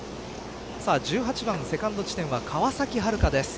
１８番セカンド地点は川崎春花です。